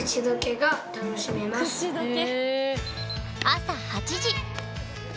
朝８時。